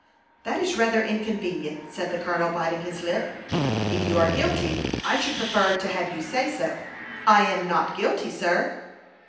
"That is rather inconvenient," said the colonel, biting his lip. "If you are guilty, I should prefer to have you say so." "I am not guilty, sir."